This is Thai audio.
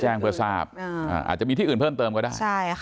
แจ้งเพื่อทราบอาจจะมีที่อื่นเพิ่มเติมก็ได้